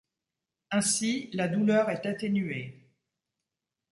Ainsi la douleur est atténuée.